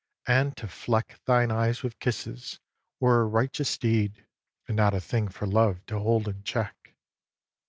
and to fleck Thine eyes with kisses, were a righteous deed, And not a thing for Love to hold in check.